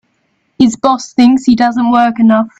His boss thinks he doesn't work enough.